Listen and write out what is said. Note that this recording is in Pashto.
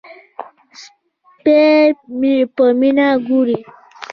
سپی مې په مینه ګوري.